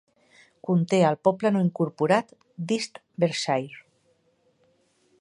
Conté el poble no incorporat d'East Berkshire.